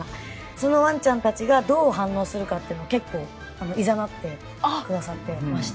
そのワンちゃんたちがどう反応するかというのを結構いざなってくれていました。